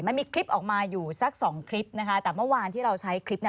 มันมีคลิปออกมาอยู่สักสองคลิปนะคะแต่เมื่อวานที่เราใช้คลิปเนี่ย